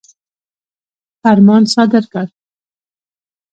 فرمان صادر کړ.